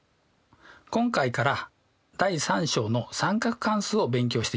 今回から第３章の三角関数を勉強していきます。